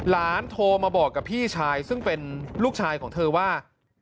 โทรมาบอกกับพี่ชายซึ่งเป็นลูกชายของเธอว่า